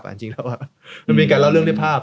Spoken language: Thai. มันมีการเล่าเรื่องได้ภาพ